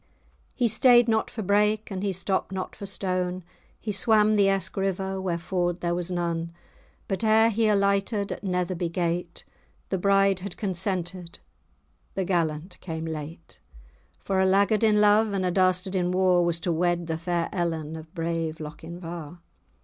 He staid not for brake, and he stopped not for stone, He swam the Eske river where ford there was none, But ere he alighted at Netherby gate, The bride had consented, the gallant came late; For a laggard in love, and a dastard in war, Was to wed the fair Ellen of brave Lochinvar.